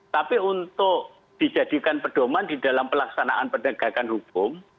tapi untuk dijadikan pedoman di dalam pelaksanaan penegakan hukum